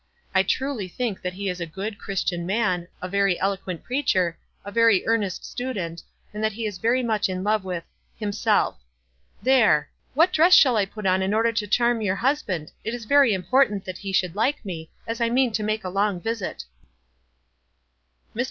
I truly think that he is a good, Chris tian man, a very eloquent preacher, a very ear nest student, and that he is very much in love with — himself. There! What dress shall I put on in order to charm your husband? It is very important that he should like me, as I mean to make a long visit." Mr.